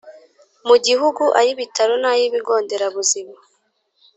mu gihugu ay ibitaro n ay ibigo nderabuzima